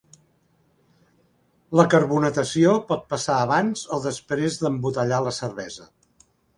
La carbonatació pot passar abans o després d'embotellar la cervesa.